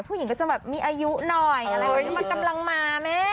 ผู้หญิงก็จะแบบมีอายุหน่อยอะไรแบบนี้มันกำลังมาแม่